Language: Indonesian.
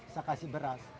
saya kasih beras